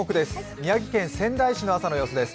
宮城県仙台市の朝の様子です。